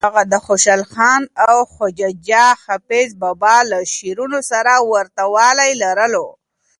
هغه د خوشحال خان او خواجه حافظ بابا له شعرونو سره ورته والی لرلو.